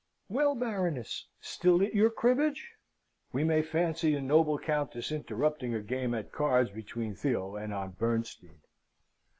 "Well, Baroness! still at your cribbage?" (We may fancy a noble Countess interrupting a game at cards between Theo and Aunt Bernstein.)